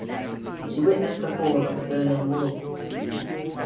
She witnessed the fall of the Berlin Wall.